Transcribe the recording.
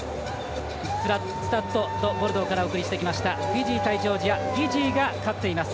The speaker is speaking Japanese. スタッド・ド・ボルドーからお送りしてきましたフィジー対ジョージアフィジーが勝っています。